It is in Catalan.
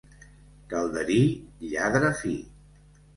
Calderí, lladre fi.